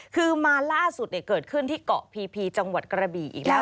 คือมาล่าสุดเกิดขึ้นที่เกาะพีจังหวัดกระบี่อีกแล้ว